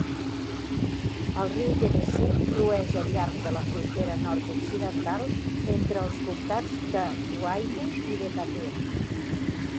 El riu Tennessee flueix al llarg de la frontera nord-occidental entre els comtats de Wayne y Decatur.